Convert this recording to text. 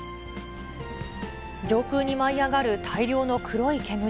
上空に舞い上がる大量の黒い煙。